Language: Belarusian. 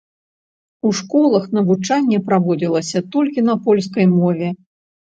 У школах навучанне праводзілася толькі на польскай мове.